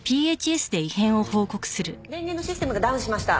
電源のシステムがダウンしました。